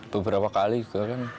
beberapa kali juga kan